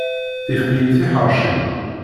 Tifem-iyi tiḥeṛci.